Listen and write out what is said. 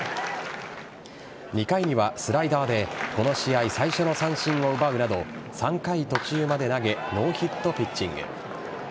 ２回にはスライダーでこの試合最初の三振を奪うなど３回途中まで投げノーヒットピッチング。